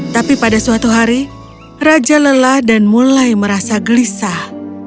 tapi pada suatu hari raja lelah dan mulai merasa gelisah